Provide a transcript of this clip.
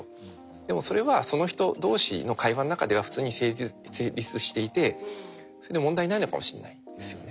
でもそれはその人同士の会話の中では普通に成立していてそれで問題ないのかもしれないですよね。